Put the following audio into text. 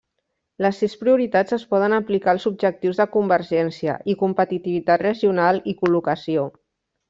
Les sis prioritats es poden aplicar als objectius de convergència, i competitivitat regional i col·locació.